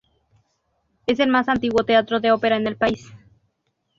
Es el más antiguo teatro de ópera en el país.